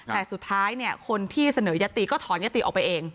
แต่สุดท้ายคนที่เสนอยัตติก็ถอนยติออกไปเอง